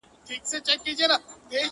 o دا سپوږمۍ وينې.